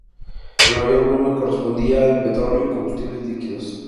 El mayor volumen correspondía al petróleo y combustibles líquidos.